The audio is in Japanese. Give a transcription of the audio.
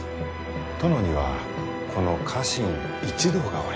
殿にはこの家臣一同がおります。